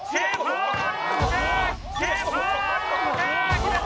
決めた！